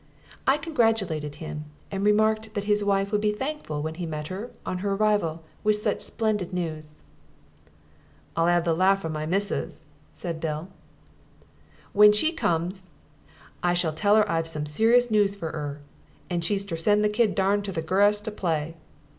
I congratulated him and remarked that his wife would be thankful when he met her, on her arrival, with such splendid news. "I'll 'ave the larf of my missus," said Bill. "W'en she comes, I shall tell 'er I've some serious noos for 'er, and she's ter send the kid darn on the grarse ter play.